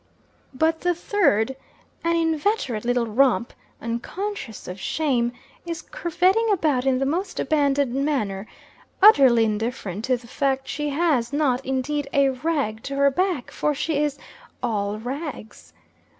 But the third, an inveterate little romp, unconscious of shame, is curveting about in the most abandoned manner, utterly indifferent to the fact she has not, indeed, "a rag to her back" for she is all rags!